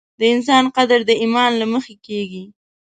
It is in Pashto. د انسان قدر د ایمان له مخې کېږي.